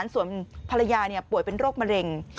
ส่วนภรรยาป่วยเป็นโรคมะเร็ง